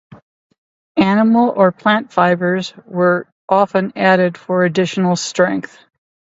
Animal or plant fibers were often added for additional strength.